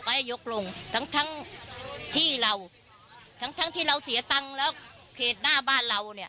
ด้านต่างว่าโลกอัยะพยี่วิว